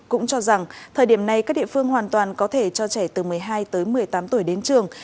cũng cho rằng thời điểm này các địa phương hoàn toàn có thể cho trẻ từ một mươi hai tới một mươi tám tuổi đến trường